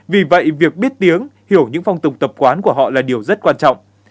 vì vậy việc biết tiếng hiểu những phong tục tập quán của họ là điều rất quan trọng